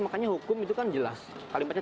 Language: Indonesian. makanya hukum itu kan jelas kalimatnya